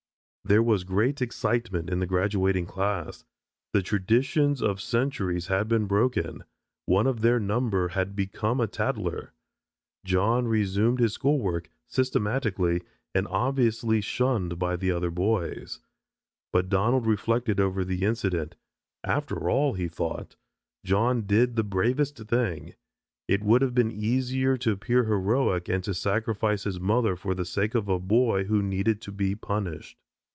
There was great excitement in the graduating class. The traditions of centuries had been broken. One of their number had become a tattler. John resumed his school work, systematically and obviously shunned by the other boys. But Donald reflected over the incident. "After all," he thought, "John did the bravest thing. It would have been easier to appear heroic and to sacrifice his mother for the sake of a boy who needed to be punished."